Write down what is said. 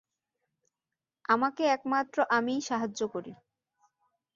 আমাকে একমাত্র আমিই সাহায্য করি।